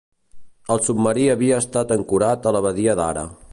El submarí havia estat ancorat a la badia d'Ara.